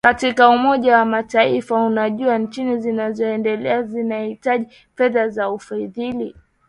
katika Umoja wa Mataifa Unajua nchi zinazoendelea zinahitaji fedha za ufadhili